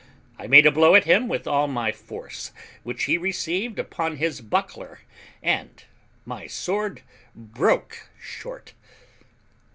I made a blow at him with all my force, which he received upon his buckler, and my sword broke short.